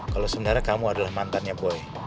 kalau sebenarnya kamu adalah mantannya boy